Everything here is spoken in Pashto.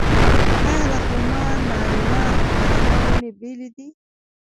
آیا د خرما نارینه او ښځینه ونې بیلې دي؟